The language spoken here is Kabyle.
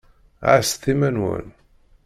Ɛasset iman-nwen.